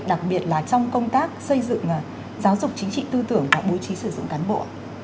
đặc biệt là trong công tác xây dựng giáo dục chính trị tư tưởng và bố trí sử dụng cán bộ